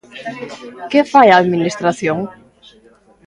¿Que fai a Administración?